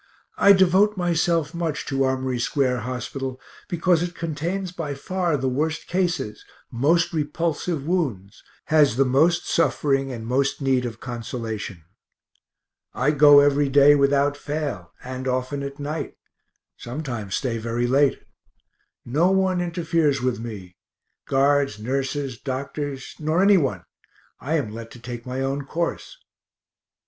I devote myself much to Armory square hospital because it contains by far the worst cases, most repulsive wounds, has the most suffering and most need of consolation. I go every day without fail, and often at night sometimes stay very late. No one interferes with me, guards, nurses, doctors, nor anyone. I am let to take my own course.